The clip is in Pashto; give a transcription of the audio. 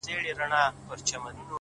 د دوى دا هيله ده چي-